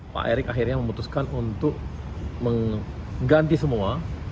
pak erick akhirnya memutuskan untuk mengganti semua